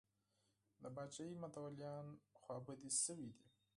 د پاچاهۍ متولیان خفه شوي دي.